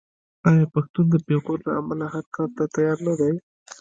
آیا پښتون د پېغور له امله هر کار ته تیار نه دی؟